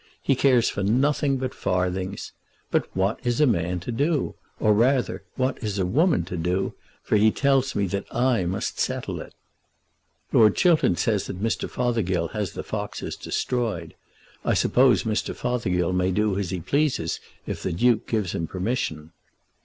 He cares for nothing but farthings. But what is a man to do? Or, rather, what is a woman to do? for he tells me that I must settle it." "Lord Chiltern says that Mr. Fothergill has the foxes destroyed. I suppose Mr. Fothergill may do as he pleases if the Duke gives him permission."